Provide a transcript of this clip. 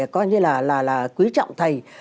coi như là quý trọng thầy